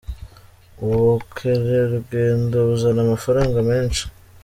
Ubu kerarugendo buzana amafaranga menshi.